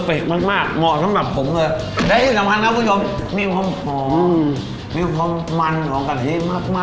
เส้นนี่เส้นนี่เส้นนี่เส้นนี่เส้นนี่เส้นนี่เส้นนี่เส้นนี่เส้น